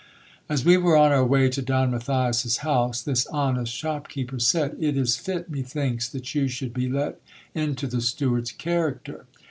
As we were on our way to Don Matthias's house, this honest shopkeeper said — It is fit, methinks, that you should be let into the steward's character.